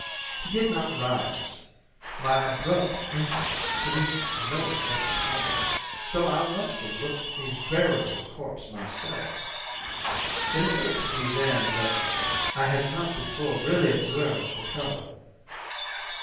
He did not rise: my abrupt entrance produced no effect upon him, though I must have looked a veritable corpse myself. It occurred to me then that I had not before really observed the fellow.